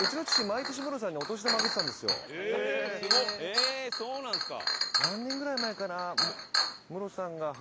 へえそうなんですか！